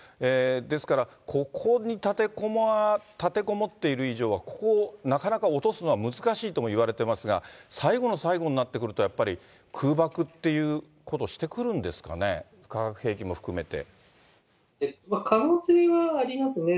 ですから、ここに立てこもっている以上は、ここをなかなか落とすのは難しいといわれていますが、最後の最後になってくるとやっぱり空爆っていうことをしてくるん可能性はありますね。